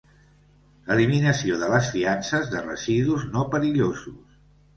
Eliminació de les fiances de residus no perillosos.